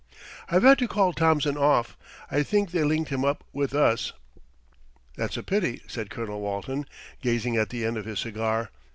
"I've had to call Thompson off, I think they linked him up with us." "That's a pity," said Colonel Walton, gazing at the end of his cigar.